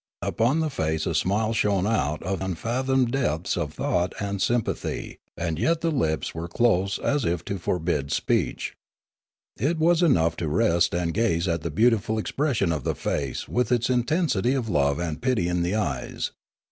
Upon the face a smile shone out of unfathomed depths of thought and sympathy, and yet the lips were close as 4 Limanora if to forbid speech. It was enough to rest and gaze at the beautiful expression of the face with its intensity of love and pity in the eyes.